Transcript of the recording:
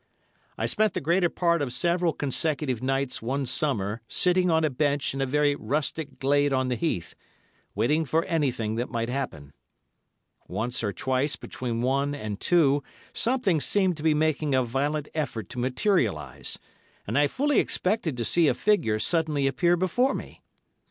I spent the greater part of several consecutive nights one summer sitting on a bench in a very rustic glade on the heath, waiting for anything that might happen. Once or twice between one and two something seemed to be making a violent effort to materialise, and I fully expected to see a figure suddenly appear before me.